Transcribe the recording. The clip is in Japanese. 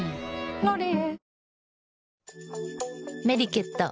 「ロリエ」